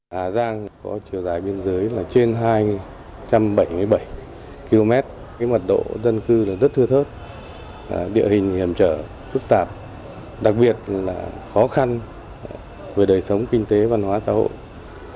hà giang có chiều dài biên giới là trên hai trăm bảy mươi bảy km mật độ dân cư là rất thưa thớt địa hình hiểm trở phức tạp đặc biệt là khó khăn về đời sống kinh tế văn hóa xã hội